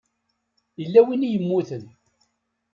Yella win i yemmuten.